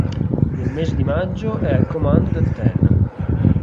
Nel mese di maggio è al comando del Ten.